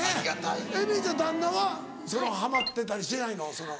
エミリちゃん旦那はハマってたりしてないの？